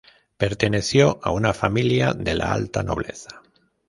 Perteneció a una familia de la alta nobleza.